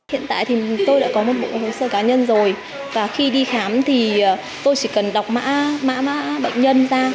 hiện tại thì tôi đã có một bộ hồ sơ cá nhân rồi và khi đi khám thì tôi chỉ cần đọc mã bệnh nhân ra